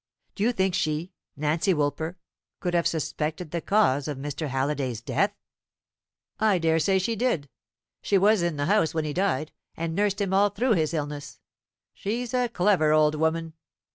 do you think she, Nancy Woolper, could have suspected the cause of Mr. Halliday's death?" "I dare say she did. She was in the house when he died, and nursed him all through his illness. She's a clever old woman.